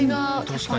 確かに。